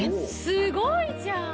すごいじゃん！